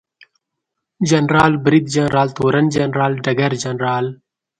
جنرال، بریدجنرال، تورن جنرال ، ډګرجنرال